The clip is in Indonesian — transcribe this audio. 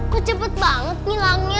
kok cepet banget ngilangnya